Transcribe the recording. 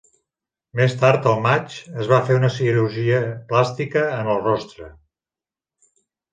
Més tard, al maig, es va fer una cirurgia plàstica en el rostre.